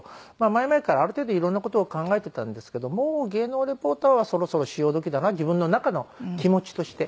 前々からある程度色んな事を考えていたんですけどもう芸能リポーターはそろそろ潮時だな自分の中の気持ちとして。